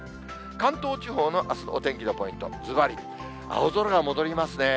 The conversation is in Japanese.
関東地方のあすのお天気のポイント、ずばり青空が戻りますね。